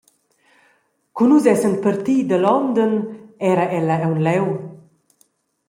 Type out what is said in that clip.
«Cu nus essan parti da London era ella aunc leu.